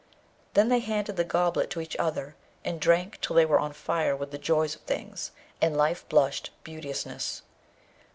Then they handed the goblet to each other, and drank till they were on fire with the joy of things, and life blushed beauteousness.